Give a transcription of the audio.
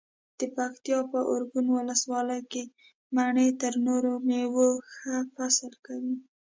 د پکتیکا په ارګون ولسوالۍ کې مڼې تر نورو مېوو ښه فصل کوي.